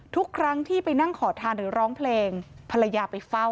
ทุกครั้งที่ไปนั่งขอทานหรือร้องเพลงภรรยาไปเฝ้า